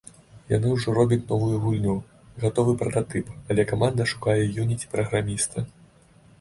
Яны ўжо робяць новую гульню — гатовы прататып, але каманда шукае Unity-праграміста.